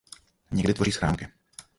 Někdy tvoří schránky.